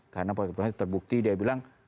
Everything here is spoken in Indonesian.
karena pak kapitalis terbukti dia bilang